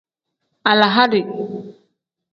Alahadi.